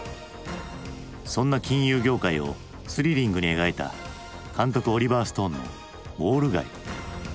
そんな金融業界をスリリングに描いた監督オリバー・ストーンの「ウォール街」。